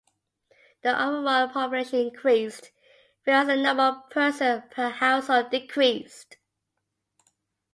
The overall population increased, whereas the number of persons per household decreased.